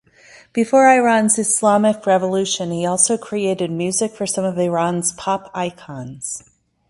Before Iran's Islamic Revolution, he also created music for some of Iran's pop icons.